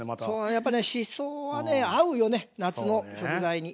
やっぱねしそは合うよね夏の食材に。